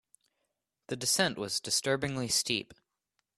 The descent was disturbingly steep.